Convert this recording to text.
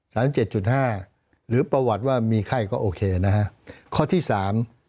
สามารถ๗๕หรือประวัติว่ามีไข้ก็โอเคนะครับ